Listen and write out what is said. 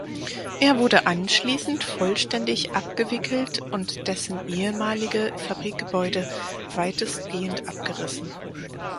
Er wurde anschließend vollständig abgewickelt und dessen ehemalige Fabrikgebäude weitestgehend abgerissen.